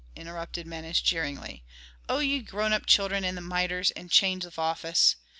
interrupted Menes, jeeringly. "O ye grown up children in the mitres and chains of office.